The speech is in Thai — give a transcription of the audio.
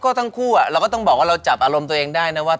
ก็ทั้งคู่เราก็ต้องบอกว่าเราจับอารมณ์ตัวเองได้นะว่า